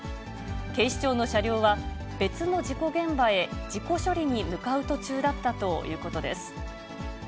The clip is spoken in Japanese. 警視庁の車両は、別の事故現場へ事故処理に向かう途中だったということです。